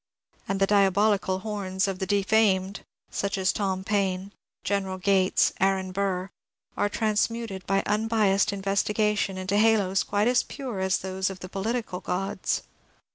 And the diabolical horns of the de famed — such as Tom Paine, General Gates, Aaron Burr — are transmuted by unbiased investigation into halos quite as pure as those of the political gods.